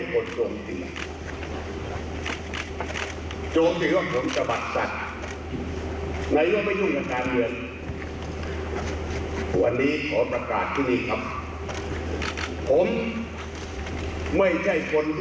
ผมต้องเข้ารถบทครัฐวิษย์